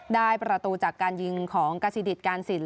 ได้ประตูจากการยิงของกษิดิตการสิน